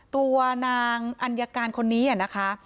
ตัวนางอัญญาการคนนี้นะคะ